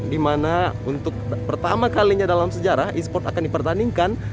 di mana untuk pertama kalinya dalam sejarah e sport akan dipertandingkan